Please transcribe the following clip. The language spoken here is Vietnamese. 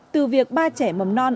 từ việc ba trẻ mầm non